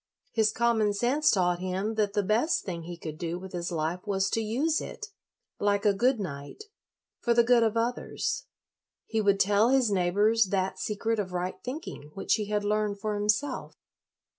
His common sense taught him that the best thing he could do with his life was to use it, like a good knight, for the good of others; he would tell his neighbors that secret of right thinking which he had learned for himself.